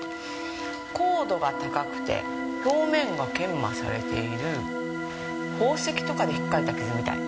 硬度が高くて表面が研磨されている宝石とかで引っかいた傷みたい。